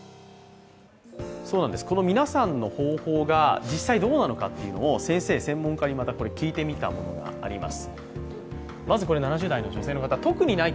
皆さんの方法が実際どうなのかを先生、専門家に聞いてみたものがあります。